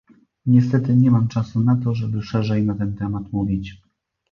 Niestety nie mam czasu na to, żeby szerzej na ten temat mówić